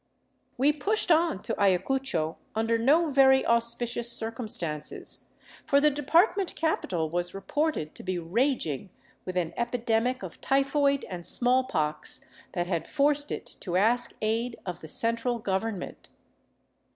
We pushed on to Ayacucho under no very auspicious circumstances, for the department capital was reported to be raging with an epidemic of typhoid and small pox that had forced it to ask aid of the central government.